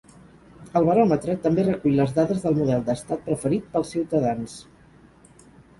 El baròmetre també recull les dades del model d’estat preferit pels ciutadans.